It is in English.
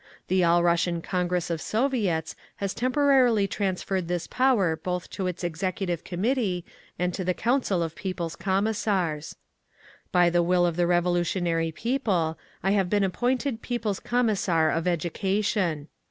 The All Russian Congress of Soviets has temporarily transferred this power both to its Executive Committee and to the Council of People's Commissars. By the will of the revolutionary people, I have been appointed People's Commissar of Education.